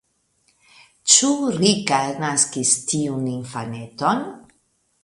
Ĉu Rika naskis tiun infaneton?